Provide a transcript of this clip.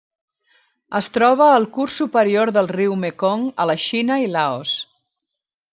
Es troba al curs superior del riu Mekong a la Xina i Laos.